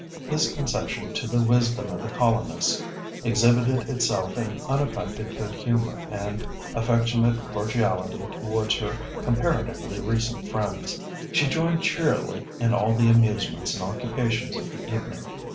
This concession to the wisdom of the colonists exhibited itself in unaffected good humour and affectionate cordiality towards her comparatively recent friends. She joined cheerily in all the amusements and occupations of the evening.